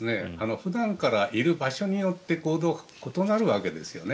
普段からいる場所によって行動は異なるわけですよね。